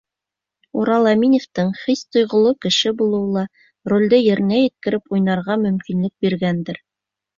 Урал Әминевтең хис-тойғоло кеше булыуы ла ролде еренә еткереп уйнарға мөмкинлек биргәндер.